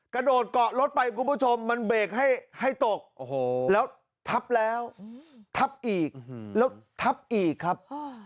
กระโดดเกาะรถไปคุณผู้ชมมันเบรกให้ตกแล้วทับแล้วทับอีกแล้วทับอีกครับ